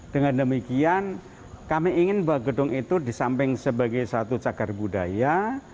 dengan demikian kami ingin bahwa gedung itu disamping sebagai satu cagar budaya